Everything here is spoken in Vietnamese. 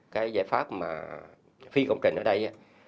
cái giải pháp phi công trình ở đây